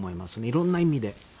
いろんな意味で。